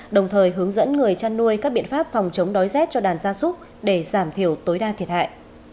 đồng thời hướng dẫn người chăn nuôi các biện pháp phòng chống đói rét cho đàn gia súc để giảm thiểu tối đa thiệt hại